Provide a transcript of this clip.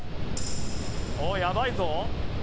おお、やばいぞ。